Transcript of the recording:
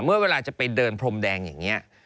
เมื่อเวลาจะไปเดินพรมแดงอย่างเนี้ย